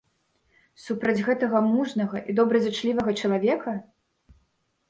Супраць гэтага мужнага і добразычлівага чалавека?